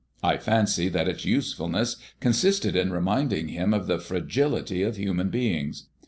I fancy that its usefulness consisted in reminding him of the fragility of human things.